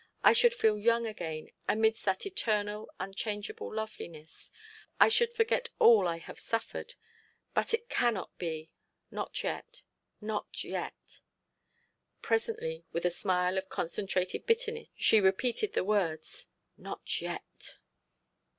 I should feel young again amidst that eternal, unchangeable loveliness. I should forget all I have suffered. But it cannot be. Not yet, not yet!' Presently with a smile of concentrated bitterness she repeated the words 'Not yet!'